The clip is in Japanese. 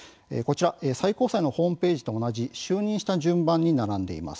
最高裁のホームページと同じ就任した順番に並んでいます。